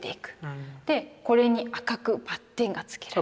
でこれに赤くバッテンが付けられて。